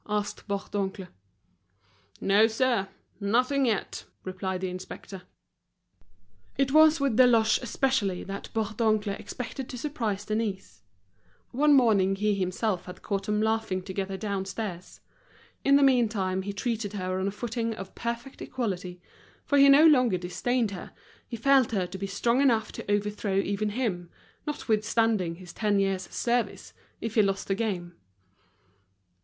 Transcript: asked Bourdoncle. "No, sir, nothing yet," replied the inspector. It was with Deloche especially that Bourdoncle expected to surprise Denise. One morning he himself had caught them laughing together downstairs. In the meantime, he treated her on a footing of perfect equality, for he no longer disdained her, he felt her to be strong enough to overthrow even him, notwithstanding his ten years' service, if he lost the game.